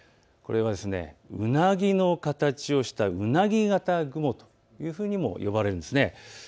これはウナギの形をしたウナギ型雲というふうにも呼ばれるんですね。